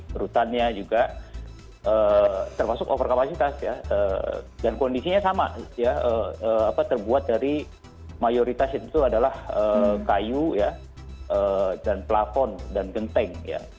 di rutannya juga termasuk overkapasitas ya dan kondisinya sama ya terbuat dari mayoritas itu adalah kayu ya dan pelafon dan genteng ya